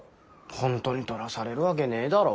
ほんとに取らされるわけねえだろ。